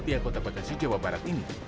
di kota bekasi jawa barat ini